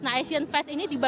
nah asian fest ini